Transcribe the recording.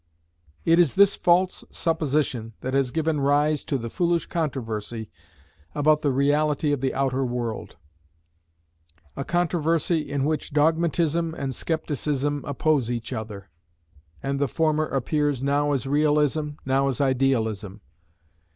It is this false supposition that has given rise to the foolish controversy about the reality of the outer world; a controversy in which dogmatism and scepticism oppose each other, and the former appears, now as realism, now as idealism.